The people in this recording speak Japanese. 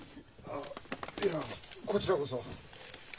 あいやこちらこそ。